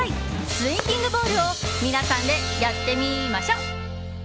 スインギングボールを皆さんでやってみましょ！